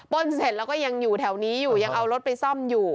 ้นเสร็จแล้วก็ยังอยู่แถวนี้อยู่ยังเอารถไปซ่อมอยู่